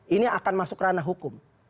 ini akan masuk ranah hukum